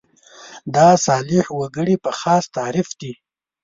دا صالح وګړي په خاص تعریف دي.